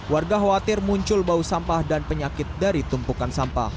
warga khawatir muncul bau sampah dan penyakit dari tumpukan sampah